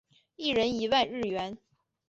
一人一万日元